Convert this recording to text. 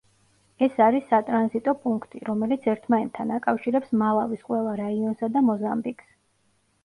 ეს არის სატრანზიტო პუნქტი, რომელიც ერთმანეთთან აკავშირებს მალავის ყველა რაიონსა და მოზამბიკს.